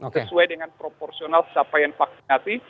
sesuai dengan proporsional capaian vaksinasi